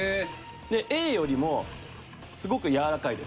Ａよりもすごくやわらかいです。